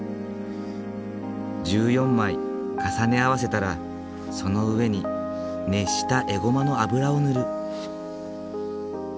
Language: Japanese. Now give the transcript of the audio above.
１４枚重ね合わせたらその上に熱したエゴマの油を塗る。